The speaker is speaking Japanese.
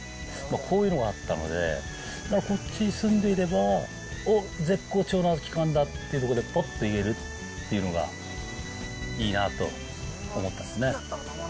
こういうのがあったので、こっちに住んでいれば絶好調な期間だっていうときにぽっと行けるっていうのがいいなと思ったんですね。